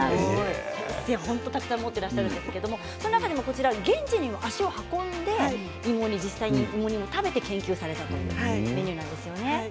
本当にたくさん持っていらっしゃるんですけどその中でも、こちらは現地に足を運んで実際に芋煮を食べて研究されたというメニューなんですよね。